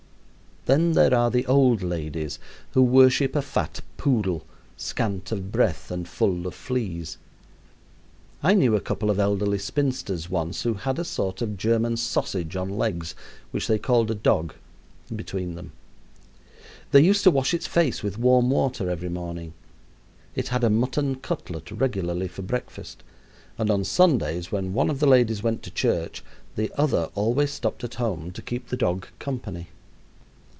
Then there are the old ladies who worship a fat poodle, scant of breath and full of fleas. I knew a couple of elderly spinsters once who had a sort of German sausage on legs which they called a dog between them. They used to wash its face with warm water every morning. It had a mutton cutlet regularly for breakfast; and on Sundays, when one of the ladies went to church, the other always stopped at home to keep the dog company.